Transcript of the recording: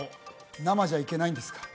生じゃいけないんですか？